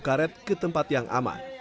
karet ke tempat yang aman